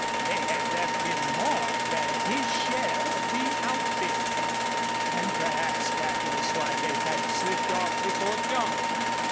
They had left him more than his share of the outfit, and perhaps that was why they had slipped off before dawn.